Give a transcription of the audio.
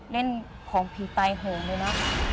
เล่นของผีตายโหงเลยนะ